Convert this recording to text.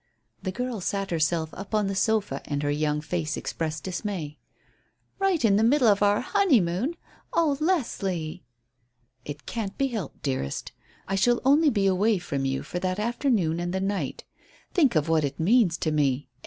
The girl sat herself up on the sofa, and her young face expressed dismay. "Right in the middle of our honeymoon. Oh, Leslie!" "It can't be helped, dearest. I shall only be away from you for that afternoon and the night. Think of what it means to me.